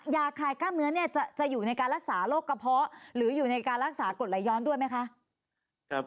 ยาคลายกล้ามเนื้อเนี่ยจะอยู่ในการรักษาโรคกระเพาะหรืออยู่ในการรักษากฎไหลย้อนด้วยไหมคะ